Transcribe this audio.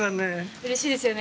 うれしいですよね